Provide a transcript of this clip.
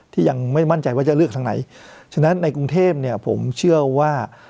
ที่ยังไม่มั่นใจว่าจะเลือกทางไหนฉะนั้นในกรุงเทพเนี่ยผมเชื่อว่า